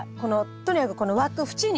とにかくこの枠縁に。